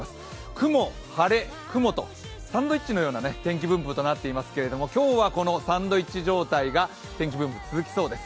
雲、晴れ、雲とサンドイッチのような天気分布となっていますけど今日はこのサンドイッチ状態が天気分布、続きそうです。